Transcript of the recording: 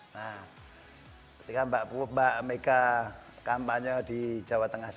nah ketika mbak mega kampanye di jawa tengah